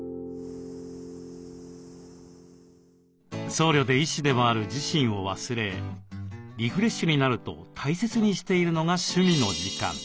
僧侶で医師でもある自身を忘れリフレッシュになると大切にしているのが趣味の時間。